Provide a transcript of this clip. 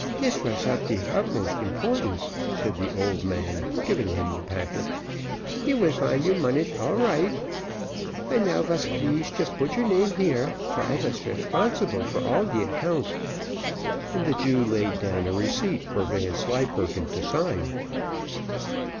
"Dis vas of de hutmost importance," said the old man, giving him the packet. "You will find you monish all right, and now vas please just put your name here, for I vas responsible for all de account;" and the Jew laid down a receipt for Vanslyperken to sign.